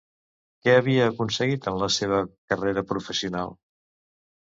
Què havia aconseguit en la seva carrera professional?